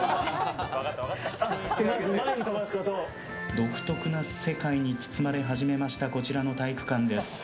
独特な世界に包まれ始めましたこちらの体育館です。